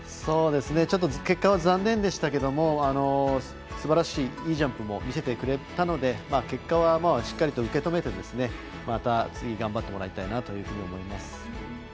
ちょっと、結果は残念でしたけどすばらしいいいジャンプも見せてくれたので結果は、しっかりと受け止めてまた次頑張ってもらいたいなと思います。